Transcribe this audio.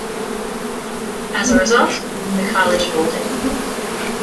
As a result, the college folded.